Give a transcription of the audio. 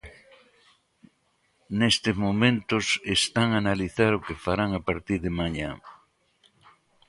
Nestes momentos están a analizar o que farán a partir de mañá.